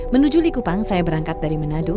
menuju likupang saya berangkat dari manado